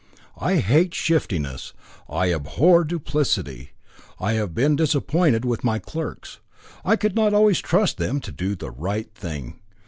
I hate shiftiness, I abhor duplicity. I have been disappointed with my clerks. I could not always trust them to do the right thing.